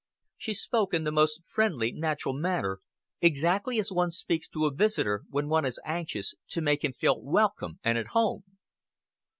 She spoke in the most friendly natural manner, exactly as one speaks to a visitor when one is anxious to make him feel welcome and at home.